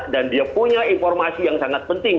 dia punya informasi yang sangat penting